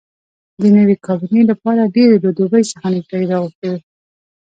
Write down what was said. د نوې کابینې لپاره ډېرو له دوبۍ څخه نیکټایي راغوښتي وې.